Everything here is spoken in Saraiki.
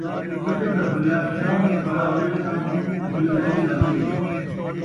فجر دا بھلیا شام کوں گھر آوے تاں اون٘کوں بھلیا نئیں آہدے